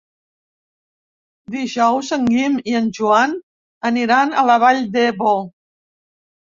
Dijous en Guim i en Joan aniran a la Vall d'Ebo.